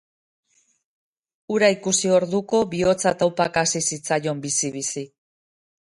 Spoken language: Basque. Hura ikusi orduko, bihotza taupaka hasi zitzaion bizi-bizi.